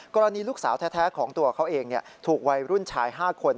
กรณีลูกสาวแท้ของตัวเขาเองถูกวัยรุ่นชาย๕คน